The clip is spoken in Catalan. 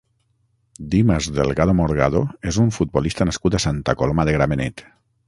Dimas Delgado Morgado és un futbolista nascut a Santa Coloma de Gramenet.